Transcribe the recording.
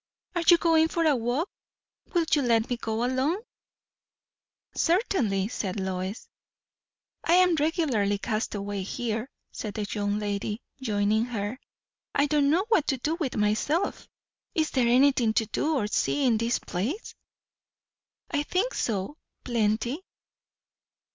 "Are you going for a walk? will you let me go along?" "Certainly," said Lois. "I am regularly cast away here," said the young lady, joining her. "I don't know what to do with myself. Is there anything to do or to see in this place?" "I think so. Plenty."